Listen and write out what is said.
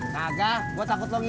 kagah gue takut lo ngiri